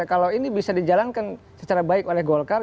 kalau ini bisa dijalankan secara baik oleh golkar